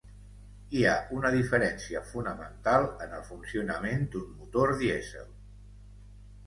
Hi ha una diferència fonamental en el funcionament d'un motor dièsel.